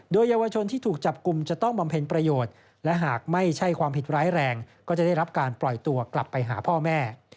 โดยเยาวชนที่ถูกจับกลุ่มจะต้องบำเพ็ญประโยชน์และหากไม่ใช่ความผิดร้ายแรงก็จะได้รับการปล่อยตัวกลับไปหาพ่อแม่